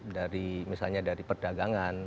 dari misalnya dari perdagangan